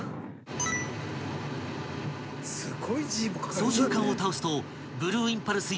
［操縦かんを倒すとブルーインパルス４番機が離陸］